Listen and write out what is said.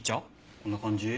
こんな感じ？